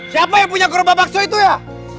siapa yang punya kerba bakso itu ya